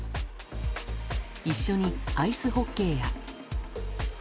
一緒にアイスホッケーや。